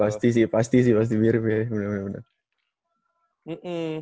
pasti sih pasti sih pasti mirip ya bener bener